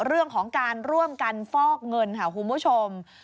เรื่องของการร่วมกันฟอกเงินค่ะคุณผู้ชม